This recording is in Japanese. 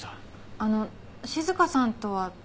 あの静香さんとは？